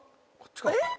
えっ？